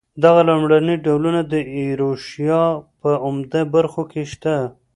دغه لومړني ډولونه د ایروشیا په عمده برخو کې شته.